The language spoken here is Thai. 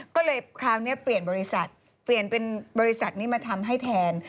ก็เลยคราวนี้เปลี่ยนบริษัทเปลี่ยนเป็นบริษัทนี้มาทำให้แทน